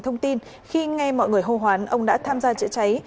thông tin khi nghe mọi người hô hoán ông đã tham gia chữa cháy